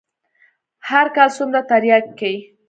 هر کال څومره ترياک کيي.